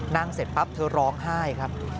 เสร็จปั๊บเธอร้องไห้ครับ